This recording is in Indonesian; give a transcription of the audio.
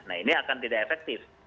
nah ini akan tidak efektif